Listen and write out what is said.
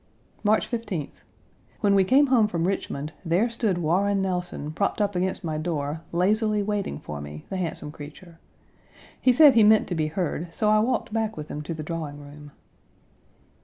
March 15th. When we came home from Richmond, there stood Warren Nelson, propped up against my door, lazily waiting for me, the handsome creature. He said he meant to be heard, so I walked back with him to the drawing room.